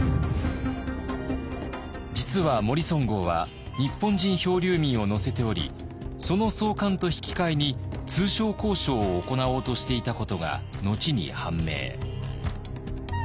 実はモリソン号は日本人漂流民を乗せておりその送還と引き換えに通商交渉を行おうとしていたことが後に判明。